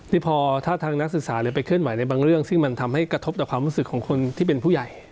นี่พอถ้าทางนักศึกษาหรือไปเคลื่อนไหวในบางเรื่องซึ่งมันทำให้กระทบต่อความรู้สึกของคนที่เป็นผู้ใหญ่